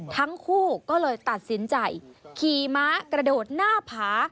ทั้งคู่ก็เลยตัดสินใจขี่ม้ากระโดดหน้าผา